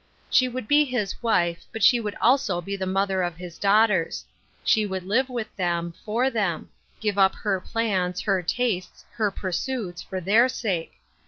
She would be his wife, but she would also be the mother of his daughters ; she would live with them, for them ; give up her plans, her tastes, her pursuits, for their sake.